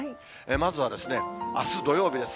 まずは、あす土曜日です。